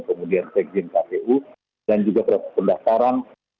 kemudian sekjen kpu dan juga proses pendaftaran